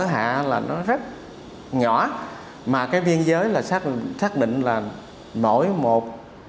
hạ là nó rất nhỏ mà cái biên giới là xác định là nổi một